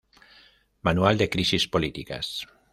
Manual de crisis políticas.